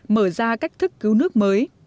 mở ra cách thức cứu nước mới